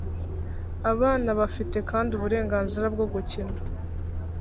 abana bafite kandi uburenganzira bwo gukina.